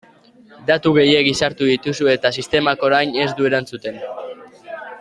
Datu gehiegi sartu dituzu eta sistemak orain ez du erantzuten.